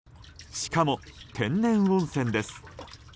しかも天然温泉です。